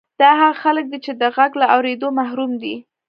دا هغه خلک دي چې د غږ له اورېدو محروم دي